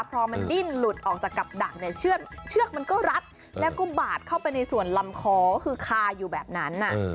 พอมันดิ้นหลุดออกจากกับดักเนี่ยเชือกมันก็รัดแล้วก็บาดเข้าไปในส่วนลำคอก็คือคาอยู่แบบนั้น